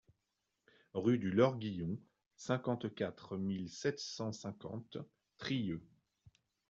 Rue du Lorguillon, cinquante-quatre mille sept cent cinquante Trieux